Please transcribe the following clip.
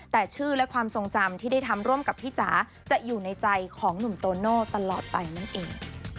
แต่ชื่อและความทรงจำที่ได้ทำร่วมกับพี่จ๋าจะอยู่ในใจของหนุ่มโตโน่ตลอดไปนั่นเอง